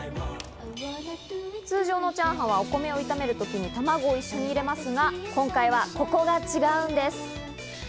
通常のチャーハンはお米を炒める時に卵も一緒に入れますが、今回はここが違うんです。